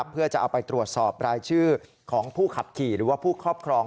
เพื่อจะเอาไปตรวจสอบรายชื่อของผู้ขับขี่หรือว่าผู้ครอบครอง